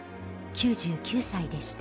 ９９歳でした。